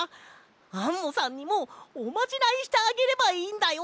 アンモさんにもおまじないしてあげればいいんだよ！